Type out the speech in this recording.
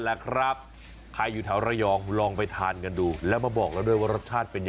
เอาอย่างสีสะปายใจเลย